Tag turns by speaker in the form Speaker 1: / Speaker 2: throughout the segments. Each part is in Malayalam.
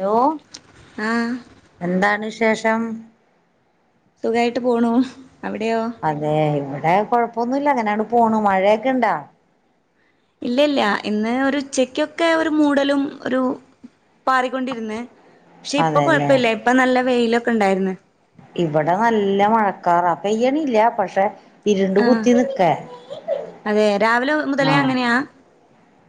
Speaker 1: ഹലോ?
Speaker 2: ആഹ്
Speaker 1: എന്താണ് വിശേഷം?
Speaker 2: സുഖായിട്ട് പോണൂ. അവിടെയോ?
Speaker 1: അതെ, ഇവിടെ കൊഴപ്പൊന്നുല്ല അങ്ങനണ്ട് പോണു, മഴയൊക്കെ ഇണ്ടാ?
Speaker 2: ഇല്ല്യ, ഇല്ല്യ ഇന്ന് ഒരുച്ചയ്ക്കൊക്കെ ഒരു മൂടലും ഒരു പാറിക്കൊണ്ടിരിന്നെ പക്ഷെ ഇപ്പൊ
Speaker 1: അതെല്ലേ
Speaker 2: കൊഴപ്പല്ല ഇപ്പം നല്ല വെയിലൊക്കെണ്ടായിരുന്നു
Speaker 1: ഇവടെ നല്ല മഴക്കാറാ പെയ്യണില്ല പക്ഷെ ഇരുണ്ട്
Speaker 2: ആഹ്
Speaker 1: കുത്തി നിക്ക
Speaker 2: അതെ രാവിലെ മുതലേ
Speaker 1: ആഹ്
Speaker 2: അങ്ങനെയാ?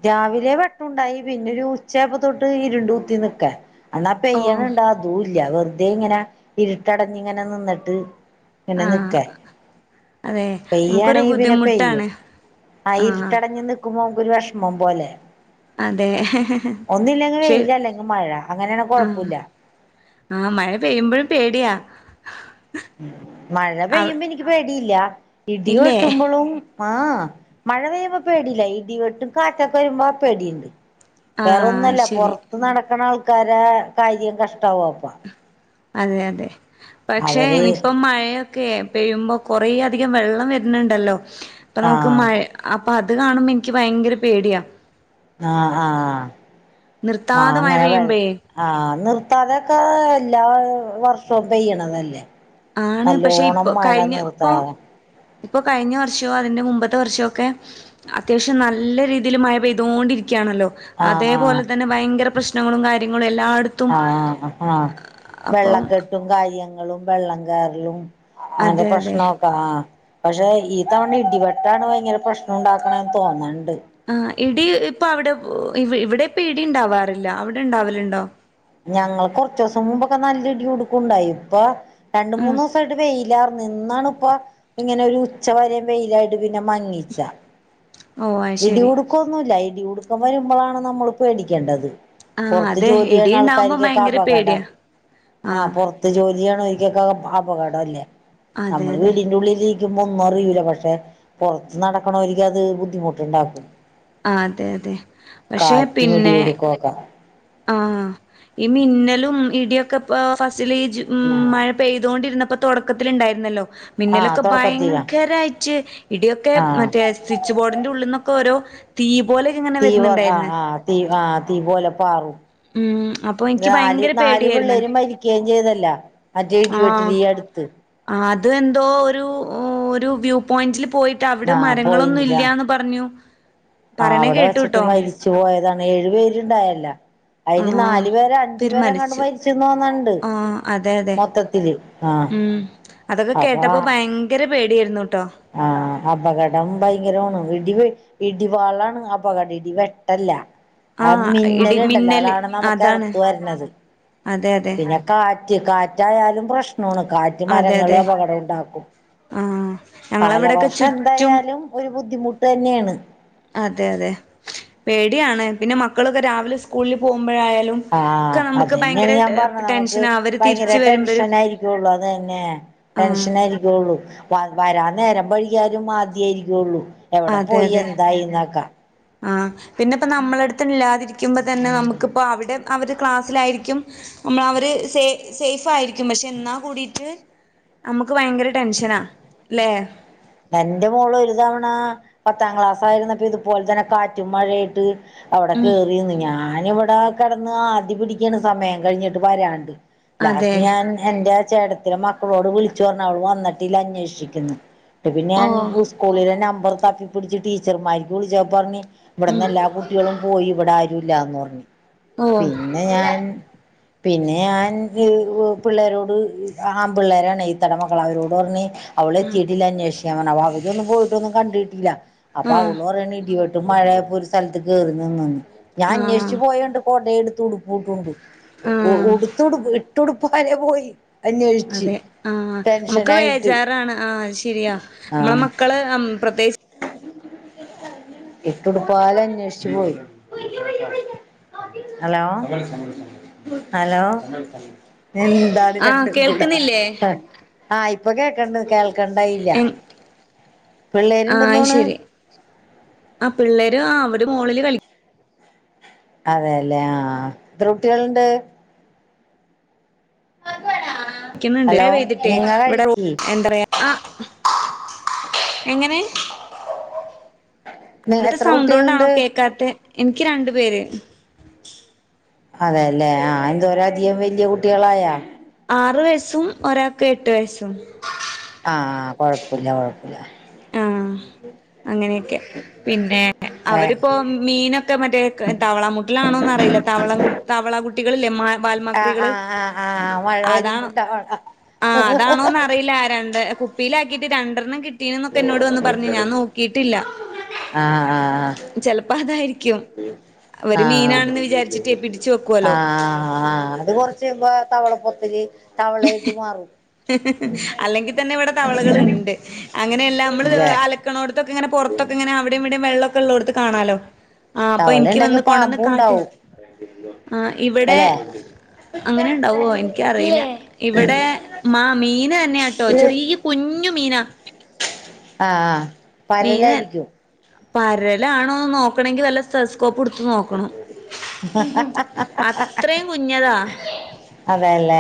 Speaker 1: രാവിലെ വെട്ടുണ്ടായി പിന്നെ ഒരു ഉച്ചായപ്പോ തൊട്ട് ഇരുണ്ട് കുത്തി നിക്കാ അന്നാ
Speaker 2: ഓ
Speaker 1: പെയ്യണ് ണ്ടാ അതൂല്ല്യ വെർതെ ഇങ്ങന ഇരുട്ടടഞ്ഞിങ്ങനെ നിന്ന്ട്ട് ഇങ്ങനെ
Speaker 2: ആഹ്
Speaker 1: നിക്കാൻ
Speaker 2: അതെ നമുക്കൊരു
Speaker 1: പെയ്യാണെങ്കി പിന്നെ
Speaker 2: ബുദ്ധിമുട്ടാണ്
Speaker 1: പെയ്യും ആ
Speaker 2: ആഹ്
Speaker 1: ഇരിട്ടടഞ്ഞു നിക് ക്കുമ്പോ നമുക്കൊരു വേഷമം പോലെ
Speaker 2: അതെ
Speaker 1: ഒന്നില്ലെങ്കില്
Speaker 2: ശെ
Speaker 1: വെയില് അല്ലെങ്കി മഴ അങ്ങനെയാണെ
Speaker 2: ആഹ്
Speaker 1: കൊഴപ്പവില്ല
Speaker 2: ആഹ് മഴ പെയ്യുമ്പോഴും പേടിയാ
Speaker 1: മഴ
Speaker 2: അവ
Speaker 1: പെയ്യുമ്പോ എനിക്ക് പേടി ഇല്ല ഇടി
Speaker 2: ഇല്ലേ
Speaker 1: വെട്ടുമ്പോളും ആഹ് മഴ പെയ്യുമ്പോ പേടി ഇല്ല ഇടിവെട്ടും കാറ്റൊക്കെ വരുമ്പോ പേടിണ്ട്
Speaker 2: ആഹ്
Speaker 1: വേറൊന്നുവല്ല
Speaker 2: ശരി
Speaker 1: പൊറത്ത് നടക്കണ ആൾക്കാരെ കാര്യം കഷ്ടാവു അപ്പ
Speaker 2: അതെ അതെ പക്ഷെ
Speaker 1: അവര്
Speaker 2: ഇനിപ്പം മഴയൊ ക്കെ പെയ്യുമ്പോ കൊറേ അധികം വെള്ളം വരുന്നുണ്ടല്ലോ ഇപ്പൊ നമുക്ക്
Speaker 1: ആഹ്
Speaker 2: മ അപ്പ അത് കാണുമ്പ എനിക്ക് ഭയങ്കര പേടിയാ
Speaker 1: ആഹ് ആഹ് ആഹ്
Speaker 2: നിർത്താതെ മഴ
Speaker 1: അങ്ങനെ വര്
Speaker 2: പെയ്യുമ്പഴേ
Speaker 1: ആഹ് നിർത്താതൊക്കെ എല്ലാ വർഷോം പെയ്യണതല്ലേ
Speaker 2: ആണ് പക്ഷെ
Speaker 1: നല്ലോണം മഴ നിർത്താതെ
Speaker 2: ഇപ്പ കഴിഞ്ഞ വർഷോം അതിന്റെ മുമ്പത്തെ വർഷോക്കെ അത്യാവശ്യം നല്ല രീതില് മഴ പെയ്തോണ്ടിരിക്കാണല്ലോ
Speaker 1: ആഹ് ആഹ്
Speaker 2: അതേപോലെ തന്നെ ഭയങ്കര പ്രശ്നങ്ങളും കാര്യങ്ങളും എല്ലാട
Speaker 1: ആഹ് ആഹ് വെള്ളക്കെട്ടും കാര്യങ്ങളും വെള്ളം കേറലും അങ്ങനത്തെ
Speaker 2: അതെ അതെ
Speaker 1: പ്രശ്നോ ആഹ് പക്ഷേ ഇതവണ ഇടിവെട്ടാണ് ഭയങ്കര പ്രശ്നം ഒണ്ടാക്കണേന്ന് തോന്നാണ്ട്
Speaker 2: ആഹ് ഇടി ഇപ്പ അവടെ ഇവടെ ഇപ്പ ഇടി ഇണ്ടാവാറില്ല അവടെ ഇണ്ടാവലുണ്ടോ?
Speaker 1: ഞങ്ങള് കൊറച്ച് ദിസം മുമ്പൊക്കെ നല്ല ഇടി കുടുക്കുണ്ടായി ഇപ്പൊ രണ്ട്
Speaker 2: ഉം
Speaker 1: മൂന്ന് സായിട്ട് വെയിലാർന്ന് ഇന്നാണ് ഇപ്പ ഇങ്ങനെ ഒരു ഉച്ച വരെയും വെയിലായിട്ട് പിന്നെ മങ്ങിച്ച
Speaker 2: ഓ അത് ശരി
Speaker 1: ഇടികുടുക്കൊന്നുല്ല ഇടികുടുക്കം വരുമ്പോളാണ് നമ്മള് പേടിക്കേണ്ടത്
Speaker 2: ആ
Speaker 1: പൊറത്ത്
Speaker 2: അതെ
Speaker 1: ജോലി ചെയ്യുന്ന
Speaker 2: ഇടിയുണ്ടാവുമ്പോ
Speaker 1: ആൾക്കാര്ക്കൊക്കെ
Speaker 2: ഭയങ്കര
Speaker 1: അപകടം
Speaker 2: പേടിയാ ആ
Speaker 1: ആഹ് പൊറ ത്ത് ജോലിയാണോരിക്കൊക്കെ അപകടം അല്ലേ
Speaker 2: അതെ
Speaker 1: നമ്മള്
Speaker 2: അതെ
Speaker 1: വീടിന്റെ ഉള്ളില് രിക്കുമ്പോ ഒന്നും അറിയൂല പക്ഷേ പൊറത്ത് നടക്കണ ഓര്ക്ക് അത് ബുദ്ധിമുട്ട് ഇണ്ടാക്കും.
Speaker 2: ആഹ് അതെ അതെ പക്ഷെ പിന്നെ
Speaker 1: [unintelligible]
Speaker 2: ആഹ് ഈ മിന്നലും ഇടിയൊക്കെപ്പാ ഫസ്റ്റിലെ ഇജ് ഉം
Speaker 1: ആഹ്
Speaker 2: മഴ പെയ്തോണ്ടിരുന്നപ്പോ തൊടക്കത്തില് ഇണ്ടാരുന്നല്ലോ
Speaker 1: ആഹ്
Speaker 2: മിന്നലൊക്കെ
Speaker 1: തുടക്കത്തിലാ
Speaker 2: ഭയങ്കരായിറ്റ് ഇടിയൊക്കെ
Speaker 1: ആഹ്
Speaker 2: മറ്റേ സി ച്ച് ബോർഡിന്റെ ഉള്ളിന്നൊക്ക ഓരോ തീ പോലെ
Speaker 1: തീ പോ ആഹ് ആഹ് തീ ആഹ് തീ പോലെ പാറും.
Speaker 2: ഉം അപ്പൊ എനിക്ക്
Speaker 1: നാല്
Speaker 2: ഭയങ്കര
Speaker 1: നാല്
Speaker 2: പേടിയായിരുന്നു
Speaker 1: പിള്ളേര് മരിക്കുകയും ചെയ്തല്ല മറ്റേ ഇടിവെട്ടില്
Speaker 2: ആ
Speaker 1: ഈ അടുത്ത്.
Speaker 2: അത് എന്തോ ഒരു ഒരു വ്യൂ പോയിന്റിൽ പോയിട്ട് അവിടെ
Speaker 1: ആഹ്
Speaker 2: മരങ്ങളൊന്നും
Speaker 1: പോയിന്റിലാ
Speaker 2: ഇല്ല്യന്ന് പറഞ്ഞു.
Speaker 1: ആഹ്
Speaker 2: പറയണ
Speaker 1: അവടെ വച്ചിട്ട്
Speaker 2: കേട്ടുട്ടോ
Speaker 1: മരിച്ചു പോയതാണ് ഏഴു പേരുണ്ടായല്ല. അയില്
Speaker 2: ആഹ്
Speaker 1: നാലു പേരെ അഞ്ചു പേരെങ്ങാണ്ട് മരിച്ചു തോന്നണ്ട്
Speaker 2: ആഹ് അതെ അതെ
Speaker 1: മൊത്തത്തില് ആഹ്
Speaker 2: ഉം അതൊക്കെ
Speaker 1: അപ്പൊ
Speaker 2: കേട്ടപ്പോ ഭയങ്കര പേടിയാരുന്നുട്ടോ.
Speaker 1: ആഹ് അപകടം ഭയങ്കരവാണ് ഇടി വേ ഇടിവാളാണ് അപകടം ഇടി വെട്ടല്ല. ആ
Speaker 2: ആഹ് ഇടി
Speaker 1: മിന്നലുണ്ടല്ലോ
Speaker 2: മിന്നല്
Speaker 1: അതാണ് നമുക്ക്
Speaker 2: അതാണ്
Speaker 1: എറ്ത്ത് വരണത്.
Speaker 2: അതെ അതെ
Speaker 1: പിന്നെ കാറ്റ് കാറ്റായാലും പ്രശ്നവാണ്. കാറ്റ്
Speaker 2: അതെ
Speaker 1: മരങ്ങള്
Speaker 2: അതെ
Speaker 1: അപകടം ഉണ്ടാക്കും.
Speaker 2: ആഹ് ഞങ്ങളവിടൊക്കെ
Speaker 1: കാലവർഷം
Speaker 2: ചുറ്റും
Speaker 1: എന്തായാലും ഒരു ബുദ്ധിമുട്ട് തന്നെയാണ്.
Speaker 2: അതെ അതെ പേടിയാണ് പിന്നെ മക്കളൊക്കെ രാവിലെ സ്കൂളിൽ പോകുമ്പോഴായാലും.
Speaker 1: ആഹ
Speaker 2: ഒക്കെ നമുക്ക്
Speaker 1: അതന്നെയാണ്
Speaker 2: ഭയങ്കര
Speaker 1: ഞാൻ പറഞ്ഞത് നമുക്ക്
Speaker 2: ടെൻഷനാ അവര്
Speaker 1: ഭയങ്കര
Speaker 2: തിരിച്ച് വരുമ്പഴും
Speaker 1: ടെൻഷൻ ആയിരിക്കള്ളുതന്നെ.
Speaker 2: ആഹ്
Speaker 1: ടെൻഷന ആയിരിക്കുള്ളൂ വരാ നേരം വൈയ്യാലും ആദ്യ ആയിരിക്കുള്ളു എവിടെ പോയി എന്തായിന്നക്കാം.
Speaker 2: ആഹ. പിന്നെ ഇപ്പ നമ്മള അടുത്ത ഇല്ലാതിരിക്കുമ്പോ തന്നെ നമുക്കിപ്പ അവിടെ അവര് ക്ലാസ്സിലായിരിക്കും. നമ്മള അവര് സേ സേഫ് ആയിരിക്കും പക്ഷെ എന്നാ കൂടിട്ട്. നമുക്ക് ഭയങ്കര ടെൻഷനാ ല്ലേ.
Speaker 1: എന്റെ മോള് ഒരു തവണ പത്താം ക്ലാസായിരുന്നിട്ട് ഇതുപോലെ തന്നെ കാറ്റും മഴയും ആയിട്ട് അവിടെ
Speaker 2: ഉം
Speaker 1: കേറീന്ന് ഞാനിവിടെ കിടന്ന് ആദ്യ പിടിക്കാണ് സമയം കഴിഞ്ഞിട്ട് വരാണ്ട്.
Speaker 2: അതെ
Speaker 1: ലാസ്റ്റ് ഞാൻ എന്റെ ചേട്ടത്തിടെ മക്കളോട് വിളിച്ചു പറഞ്ഞു അവള് വന്നിട്ടില്ല അന്വേഷിക്ക്. പിന്നെ ഞാൻ
Speaker 2: ഓഹ്
Speaker 1: സ്കൂളിലെ നമ്പർ തപ്പിപ്പിടിച്ച് ടീച്ചർമാർക്ക് വിളിച്ച പറഞ്ഞ്
Speaker 2: ഉം
Speaker 1: ഇവിടുന്ന് എല്ലാ കു കുട്ടികളും പോയി ഇവിടെ ആരുല്ലന്ന് പറഞ്ഞ്
Speaker 2: ഓഹ്
Speaker 1: പിന്നെ ഞാൻ പിന്നെ ഞൻ പിള്ളേരോട് ആമ്പിള്ളേരാണ് ഈത്തയുടെമക്കള അവരോട് പറഞ്ഞ് അവള എത്തിയിട്ടില്ല അന്വേഷിക്കാൻ പറഞ്ഞു. അവ അവരൊന്നും പോയിട്ടൊന്നും കണ്ടിട്ടില്ല. അപ്പൊ
Speaker 2: ആഹ്
Speaker 1: അവോള് പറഞ്ഞ് ഇടി വെട്ട് മഴയപ്പോ ഒരു സ്ഥലത്ത് കേയറന്ന് ഞാൻ അന്വേഷിച്ച്
Speaker 2: ആഹ്
Speaker 1: പോയണ്ട് കൊട എടുത്ത്ടു
Speaker 2: ആഹ്
Speaker 1: ഉടുത്തടു ഇട്ടൊടുപ്പാവരെ പോയി. അന്വേഷിച്ച്
Speaker 2: അതെ ആഹ നമുക്ക്
Speaker 1: ടെൻഷനായിട്ട്
Speaker 2: വേജാറാണ്. ആ ശരിയാ നമ്മളെ മക്കള് പ്രത്യേകിച്ച്.
Speaker 1: ഇട്ട്ടുപ്പാല അന്വേഷിച്ചു പോയി. ഹലോ ഹലോ എന്ത് ഇതാണ്
Speaker 2: ആഹ്
Speaker 1: രണ്ടും കൂട.
Speaker 2: കേൾക്കുന്നില്ലേ
Speaker 1: ആ ഇപ്പൊ കേൾക്കണ്ട് കേൾക്കണ്ടായില്ല.
Speaker 2: എ ആഹ്
Speaker 1: പിള്ളേരുണ്ടെന്നോണ്.
Speaker 2: ശരി ആ പിള്ളേര് ആ അവര് മുകളില് കളിക്ക.
Speaker 1: അതെയല്ലേ ആഹ എത്ര കുട്ടികളുണ്ട്.
Speaker 2: ക്കുന്നുണ്ട്.
Speaker 1: ഹലോ
Speaker 2: മഴ പെയ്തിട്ടേ
Speaker 1: നിങ്ങ
Speaker 2: ഇവിടെ റൂ
Speaker 1: കഴിക്കി
Speaker 2: എന്താ പറയാ. ആ എങ്ങനെ. അവിടുത്തെ
Speaker 1: എത്ര
Speaker 2: സൗണ്ട് കൊണ്ടാണോ
Speaker 1: കുട്ടികളുണ്ട്
Speaker 2: കേക്കാത്ത എനിക്ക് രണ്ടു പേര്.
Speaker 1: അതെയല്ലേ ആഹ എന്തോര അധികം വലിയ കുട്ടികളായാ.
Speaker 2: ആറ് വയസ്സും ഒരാൾക്ക് എട്ട് വയസ്സും.
Speaker 1: ആഹ് കൊഴപ്പില്ല കൊഴപ്പില്ല.
Speaker 2: ആ അങ്ങനെയൊക്കെ പിന്നെ അവരിപ്പോം. മീനൊക്കെ മറ്റേ താവളാമുട്ടിലാണോന്ന് അറിയില്ല. താവള തവളേം കുട്ടകളില്ലേ മ
Speaker 1: ആഹ്
Speaker 2: വാൽമക്രികൾ
Speaker 1: ആഹ് ആഹ് ആഹ് മഴ
Speaker 2: അതാണോ
Speaker 1: വരുമ്പോണ്ടാവണ
Speaker 2: ആ അതാണോ അറി അറിയില്ല. രണ്ട് കുപ്പിലാക്കിട്ട് രണ്ടെണ്ണം കിട്ടീ എന്നൊക്കെ എന്നോട് വന്ന് പറഞ്ഞു. ഞാൻ നോ കീട്ടില്ല.
Speaker 1: ആഹ് ആഹ്
Speaker 2: ചെലപ്പോ അതായിരിക്കും അവര്
Speaker 1: ആഹാ.
Speaker 2: മീനാണെന്ന് വിചാരിച്ചിട്ടേ പിടിച്ചു
Speaker 1: ആ
Speaker 2: വെക്കുവല്ലോ
Speaker 1: ആ അത് പൊറ് ചെയ്യ്പോ തവള പൊത്തല് തവളായിട്ട് മാറും.
Speaker 2: [unintelligible] അല്ലെങ്കിൽ തന്നെ ഇവിടെ അല്ലിൽ തന്നെതവളകൾ ഉണ്ട് അങ്ങനെയെല്ലാം നമ്മള്
Speaker 1: അല്ലേ
Speaker 2: അല കിണോടുത്തക്കെഇങ്ങനെ പൊറത്തൊക്കെ ഇങ്ങനെ അവിടെ ഇവിടെ വെള്ളൊക്കെ ഉള്ളോട്ത്ത് കാണാലോ ആ അപ്പ
Speaker 1: തവള
Speaker 2: ഇൻക്
Speaker 1: ഉണ്ടെങ്കി
Speaker 2: വന്ന് കൊണ്ടന്ന്
Speaker 1: പാമ്പും
Speaker 2: കാട്ടി
Speaker 1: ഉണ്ടാവും
Speaker 2: ആ ഇവിടെ
Speaker 1: അല്ലെ
Speaker 2: അങ്ങനെ ഇണ്ടാവോ എനിക്കറിയില ഇവിടെ മാ മീനന്നേ ആട്ടോ ചെറിയ കുഞ്ഞു മീനാ
Speaker 1: ആഹ ആഹ
Speaker 2: മീനെ പരലാണോന്ന് നോക്കണങ്കിൽ നല്ല സ് സ്റ്റെതസ്കോപ്പ് എടുത്ത് നോക്കണം അത്രയും കുഞ്ഞിതാ
Speaker 1: അതെല്ലേ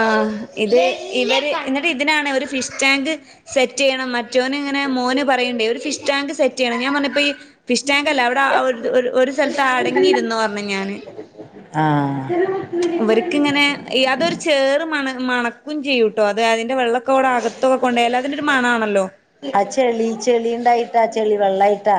Speaker 2: ആഹ് ഇത് ഇവര് എന്നിട്ട് ഇതിനാണ് ഒരു ഫിഷ് ടാങ്ക് സെറ്റെയ്യണം മറ്റ് മറ്റോന് ഇങ്ങനെ മോന് പറയ്ണ്ട് ഒരു ഫിഷ്ടാങ്ക് സെറ്റിയ്യണം ഞാൻ പറഞ്ഞ് ഇപ്പ ഈ ഫിഷ് ടാങ്ക് അല്ല അവിടെ ഒ ഒര് ഒരു സ്ഥലത്ത് അടങ്ങിയിരുന്നോ പറഞ്ഞ് ഞാന്
Speaker 1: ആഹ്
Speaker 2: ഇങ്ങനെ അതൊരു ചേറ് മണ മണക്കും ചെയ്യൂട്ടോ അത് അതിന്റെ വെള്ള ഒക്കക്കൂടെ അകത്തൊക്കെ കൊണ്ടേയാല് അതിന്റെ ഒരു മണാണല്ലോ
Speaker 1: ആഹ് ചെളി ചെളിണ്ടായിട്ടാ ചെളി വെള്ളായിട്ടാ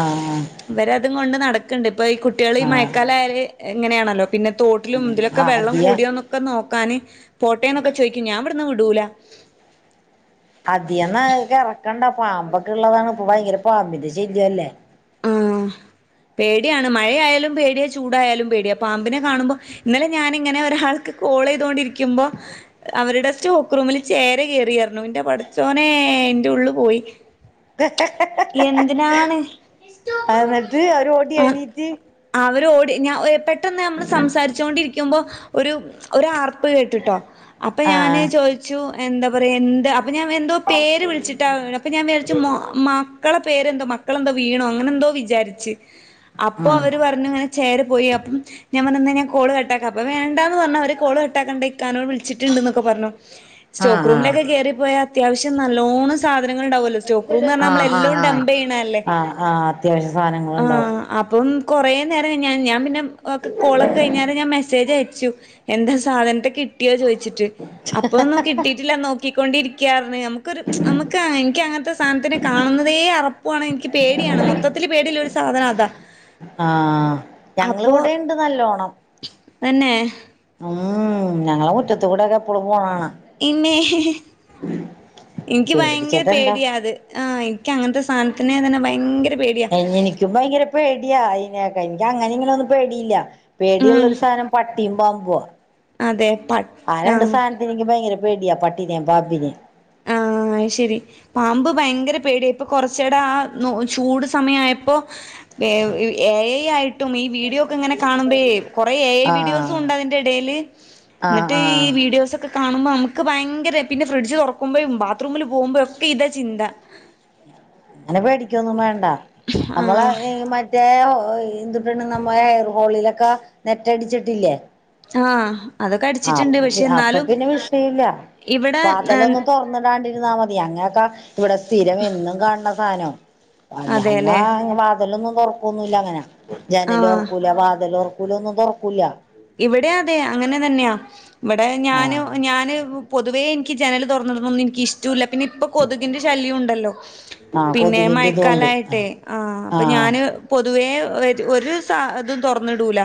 Speaker 1: ആഹ്
Speaker 2: ഇവരത് കൊണ്ട് നടക്ക്ണ്ട് ഇപ്പോ ഈ കുട്ട്യാള് ഈ
Speaker 1: ആഹ്
Speaker 2: മഴക്കാലം ആയാല് ഇങ്ങനെയാണല്ലോ പിന്നെ തോ ട്ടിലും ഇതിലൊക്കെ
Speaker 1: ആഹ്
Speaker 2: വെള്ളം
Speaker 1: അധികം
Speaker 2: കൂടിയോന്നൊക്കെ നോക്കാന് പോട്ടേന്നൊക്കെ ചോദിക്കും ഞാൻ ഇവിടുന്ന് വിടൂലാ
Speaker 1: അദിയം [unintelligible] എറക്കണ്ടാ പാമ്പൊക്കെ ഇള്ളതാണ് ഇപ്പ ഭയങ്കര പാമ്പിന്റെ ശല്യം അല്ലേ
Speaker 2: ആഹ് പേടിയാണ് മഴയായാലും പേടിയാ ചൂടായാലും പേടിയാ പാമ്പിനെ കാണുമ്പോ ഇന്നലെ ഞാനിങ്ങനെ ഒരാൾക്ക് കോള് ചെയ്തോണ്ടിരിക്കുമ്പോ അവരുടെ സ്റ്റോക്ക് റൂമില് ചേര കേറിയാർന്നു ഇന്റെ പടച്ചോനെ ഇന്റെ ഉള്ള് പോയി
Speaker 1: [unintelligible]
Speaker 2: എന്തിനാണ്
Speaker 1: എന്നിട്ട് അവര് ഓടി
Speaker 2: ആഹ്
Speaker 1: എണീറ്റ്
Speaker 2: അവര് ഓടി ഞാ ഏ പെട്ടെന്ന് നമ്മള് സംസാരിച്ചോണ്ടിരിക്കുമ്പോ ഒരു ഒരാർ ർപ്പ് കേട്ട്ട്ടോ അപ്പോ ഞാന്
Speaker 1: ആഹ്
Speaker 2: ചോദിച്ചു എന്താ പറയാ എന്ത് അപ്പ ഞാൻ എന്തോ പേര് വിളിച്ചുട്ടോ അപ്പ ഞാൻ വിചാരിച്ചു മോ മക്കളെ പേരെന്തോ മക്കളെന്തോ വീണോ അങ്ങനെ എന്തോ വിചാരിച്ച് അപ്പോ
Speaker 1: ആഹ്
Speaker 2: അവര് പറ ങ്ങനെ ചേര പോയി അപ്പം ഞാൻ പറഞ്ഞു ഇന്നാ ഞാ കോള് കട്ടാക്കാ അപ്പ വേണ്ടാന്ന് പറഞ്ഞു അവര് കോള് കട്ടാക്കണ്ടാ ഇക്കാനെ വിളിച്ചിട്ടുണ്ട്ന്നൊക്കെ പറഞ്ഞു [unintelligible]
Speaker 1: ആഹ്
Speaker 2: സ്റ്റോക്ക്
Speaker 1: ആഹ്
Speaker 2: റൂമിലൊക്കെ കേറിപ്പോയാ അത്യാവശ്യം നല്ലോണം സധങ്ങള്ണ്ടാവല്ലോ സ്റ്റോക്ക് റൂമ് പറഞ്ഞാ നമ്മൾ
Speaker 1: ആഹ് ആഹ്
Speaker 2: എല്ലോം
Speaker 1: ആഹ്
Speaker 2: ഡമ്പെയ്യണല്ലേ
Speaker 1: ആഹ് ആഹ് അത്യാവശ്യ സാധനങ്ങളുണ്ടാവും
Speaker 2: ആഹ് അപ്പം കൊറേ നേരം കഴിഞ്ഞാ ഞാ പിന്നെ കോളൊക്കെ കഴിഞ്ഞേരെ ഞാൻ മെസേ സേജയച്ചു എന്താ സാധനത്തെ കിട്ടിയോ ചോയ്ച്ചിട്ട് അപ്പൊന്നും കിട്ടീട്ടില്ലാ നോ ക്കികൊണ്ടിരിക്ക്യാർന്ന് നമുക്കൊരു നമ്മക്ക് എനിക്ക് അങ്ങൻത്തെ സാധനത്തിനെ കാണുന്നെ തേ അറപ്പുവാണ് എനിക്ക് പേടിയാണ് മൊത്തത്തില് പേടിള്ളെ ഒരു സാധനം അതാ
Speaker 1: ആഹ് ഞങ്ങള് ഇവിടെണ്ട് നല്ലോണം
Speaker 2: തെന്നെ
Speaker 1: ഉം ഞങ്ങളെ മുറ്റത്ത് കൂടെയെക്കെ എപ്പളും പോണ കാണാ
Speaker 2: ഇമ്മേ എനിക്ക് ഭയങ്കര
Speaker 1: പേടിച്ചിട്ടെന്താ
Speaker 2: പേടിയാ അത് ആഹ് ഇനിക്ക് അങ്ങൻത്തെ സാധനത്തിനെ തന്നെ ഭയങ്കരെ പേ
Speaker 1: എ എനിക്കും ഭയങ്കര പേടിയാ അയിനെയെക്കെ ഇനിക്ക് അങ്ങനെ ഇങ്ങനെ ഒന്നും പേടിയില്ലാ
Speaker 2: ഉം
Speaker 1: പേടിയുള്ളൊരു സാധനം പട്ടിയും പാമ്പുവാ
Speaker 2: അതെ പ
Speaker 1: ആ രണ്ട്
Speaker 2: ആഹ്
Speaker 1: സാന എനിക്ക് ഭയങ്കര പേടിയാ പട്ടീനേം പാമ്പിനേം
Speaker 2: ആഹ് അയ് ശരി പാമ്പ് ഭയങ്കര പേടിയാ ഇപ്പം കൊറച്ചെടെ ആ ചൂട് സമയായപ്പോ [unintelligible] എ ഐ ആയിട്ടും ഈ വീഡിയോ ഒക്കെ ഇങ്ങനെ കാണുമ്പഴെ കൊറെ എ ഐ വീഡിയോസും
Speaker 1: ആഹ്
Speaker 2: ഇണ്ട് അതിന്റെടേല്
Speaker 1: ആഹ്
Speaker 2: ഇന്നട്ട്
Speaker 1: ആഹ്
Speaker 2: ഈ വീഡിയോസ് ഒക്കെ കാണുമ്പോ നമ്മക്ക് ഭയങ്കരെ പിന്നെ ഫ്രിഡ്ജ് തൊറക്കുമ്പഴും ബാത്റൂമി പോകുമ്പഴും ഒക്കെ ഇതാ ചിന്താ
Speaker 1: അങ്ങനെ പേടിക്കൊന്നും വേണ്ടാ നമ്മള
Speaker 2: ആഹ്
Speaker 1: ഈ മറ്റ് മറ്റേ എഹ് എന്തൂട്ടാണ് നമ്മ ഹെയർ ഹോളിലൊക്കെ നെറ്റടിച്ചിട്ടില്ലേ
Speaker 2: ആഹ് അതൊക്കെ
Speaker 1: ആപ്
Speaker 2: അടിച്ചിട്ടുണ്ട് പക്ഷെ
Speaker 1: അപ്പൊ
Speaker 2: എന്നാലും
Speaker 1: പിന്നെ വിഷയല്ല
Speaker 2: ഇവിടെ
Speaker 1: വാതലൊന്നും തൊ ർന്ന്ണ്ടാണ്ടിരുന്നാ മതി അങ്ങനൊക്കാ ഇവടെ സ്ഥിരം എന്നും കാണണ സാനോ
Speaker 2: അതെല്ലേ
Speaker 1: ഞങ്ങ വാതലൊന്നും തൊറക്കൊന്നുല്ല അങ്ങനെ ജനല്
Speaker 2: ആഹ്
Speaker 1: തൊറക്കൂല വാതല് തൊറ ക്കുല ഒന്നും തൊറക്കുല്ല
Speaker 2: ഇവിടെ അതെ അങ്ങനെ തന്നെയാ ഇവിടെ ഞാന്
Speaker 1: ആഹ്
Speaker 2: ഞാന് പൊതുവേ എനിക്ക് ജനല് തുറന്നിടണതൊന്നും എനിക്ക് ഇഷ്ടുല്ല പിന്നെ ഇപ്പൊ കൊതുകിന്റെ ശല്യോണ്ടല്ലോ
Speaker 1: ആഹ്
Speaker 2: പിന്നെ
Speaker 1: കൊതുകിന്റെ ഇതുകൊണ്ട് ആഹ്
Speaker 2: മയക്കാലായിട്ടെ ആഹ് അപ്പൊ ഞാന് പൊതുവേ ഒര് ഒരു സ ഇതും തൊറന്നിടൂല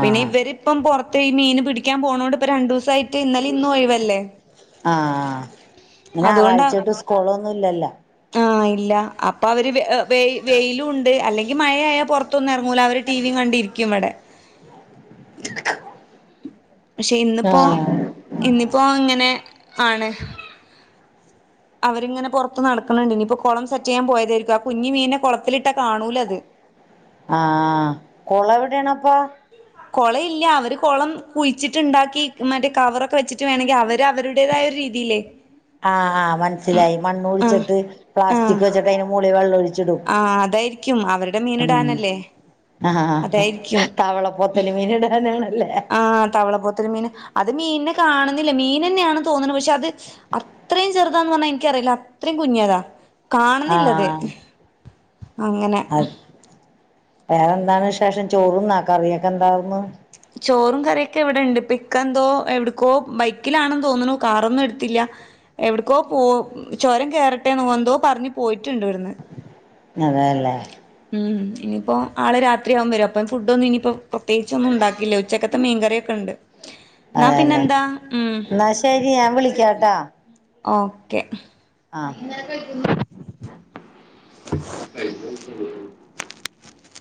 Speaker 2: പിന്നെ ഇവര് ഇപ്പം പൊറത്ത് ഈ മീന് പിടിക്കാൻ പോണോണ്ട് ഇപ്പ രണ്ടൂസായി
Speaker 1: ആഹ് ഇന്ന്
Speaker 2: അതുകൊണ്ടാ
Speaker 1: ഞായറാഴ്ച്ചായിട്ട് സ്കൂളൊന്നും ഇല്ലല്ല
Speaker 2: ആഹ് ഇല്ല അപ്പൊ അവര് വെ വെയിലൂണ്ട് അല്ലെങ്കി മയായാ പൊറത്തൊന്നും എറങ്ങൂല അവര് ടി വീം കണ്ടിരി ക്കും ഇവടെ
Speaker 1: [inaudible]
Speaker 2: പക്ഷെ ഇന്നിപ്പോ ഇന്നിപ്പോ ഇങ്ങനെ ആണ് അവരിങ്ങനെ പൊറത്ത് നടക്കണണ്ട് ഇനിപ്പൊ കൊളം സെറ്റെയ്യാൻ പോയതായിരിക്കും ആ കുഞ്ഞ് മീനെ കൊളത്തിലിട്ടാ കാണൂല അത്
Speaker 1: ആഹ് കൊളം എവിടേണപ്പൊ
Speaker 2: കൊളം ഇല്ല അവര് കൊളം കുയിച്ചിട്ട്ണ്ടാക്കി മറ്റേ കവറൊക്കെ വെച്ചിട്ട് വേണെങ്കി അവര് അവരു ടേതായ ഒരു രീതിയില്
Speaker 1: ആണാ ആഹ് മനസിലായി മണ്ണ്
Speaker 2: ആഹ്
Speaker 1: കുഴിച്ചിട്ട്
Speaker 2: ആഹ്
Speaker 1: പ്ലാസ്റ്റിക്ക് വച്ചിട്ട് അതിന് മുകളി വെള്ളം ഒഴി ച്ചിടും
Speaker 2: ആഹ് അതായിരിക്കും അവരുടെ
Speaker 1: ഉം
Speaker 2: മീനിടാനല്ലേ
Speaker 1: ആഹ്
Speaker 2: അതായിരിക്കും
Speaker 1: തവള പൊത്ത് കലിമീൻ ഇടാനാണല്ലേ
Speaker 2: ആഹ് തവള പോത്തൽ മീൻ അത് മീനിനെ കാണുന്നില്ല മീനന്നെയാണ് തോനണ് പക്ഷെ അത് അത്രയും ചെറുതാന്ന് പറഞ്ഞ എനിക്കറിയില്ല അത്രയും കുഞ്ഞിതാ കാണുന്നില്ലത്
Speaker 1: ആഹ്
Speaker 2: അങ്ങനെ
Speaker 1: വേറെ എന്താണ് വിശേഷം ചോറുന്നാ കറിയൊക്കെ എന്താവുന്ന്
Speaker 2: ചോറും കറിയൊക്കെ ഇവിടെണ്ട് ഇപ്പ ഇക്ക എന്തോ എവിടക്കോ ബൈക്കിലാണെന്ന് തോന്നണു കാറൊന്നും എടുത്തില്ല എവിട്ക്കോ പോ ചൊരം കേറട്ടേന്നോ എന്തോ പറഞ്ഞ് പോയിട്ടുണ്ട് ഇവിടുന്ന്
Speaker 1: അതേലേ
Speaker 2: ഉം ഇനിപ്പോ ആള് രാത്രിയാകും വരാൻ അപ്പം ഫുഡ് ഒന്നും ഇനിയിപ്പോ പ്രത്യേകിച്ച് ഒന്നും ഉണ്ടാക്കില്ല ഉച്ചക്കത്തെ മീൻകറിയൊക്കെ ഇണ്ട്
Speaker 1: അതേലേ ഇന്നാ ശരി ഞാൻ വിളിക്കാട്ടാ
Speaker 2: ഓക്കെ
Speaker 1: ആഹ്